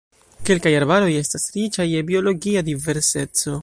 Kelkaj arbaroj estas riĉaj je biologia diverseco.